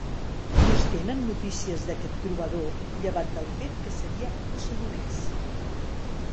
No es tenen notícies d'aquest trobador llevat del fet que seria rossellonès.